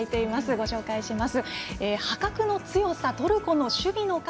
ご紹介します。